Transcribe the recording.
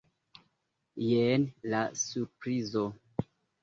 Jen la surprizo.